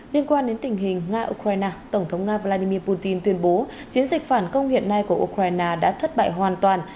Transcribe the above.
liên quan đến tình hình nga ukraine tổng thống nga vladimir putin tuyên bố chiến dịch phản công hiện nay của ukraine đã thất bại hoàn toàn